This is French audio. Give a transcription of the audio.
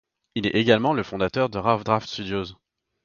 Il est également le fondateur de Rough Draft Studios.